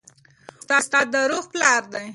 استاد د روح پلار دی.